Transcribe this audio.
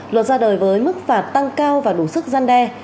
luật ra đời với mức phạt tăng cao và đủ sức gian đe